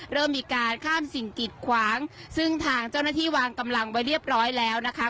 เริ่มมีการข้ามสิ่งกิดขวางซึ่งทางเจ้าหน้าที่วางกำลังไว้เรียบร้อยแล้วนะคะ